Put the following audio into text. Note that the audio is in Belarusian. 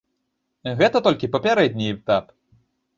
Гэта толькі папярэдні этап.